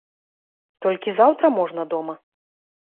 Толькі заўтра можна дома?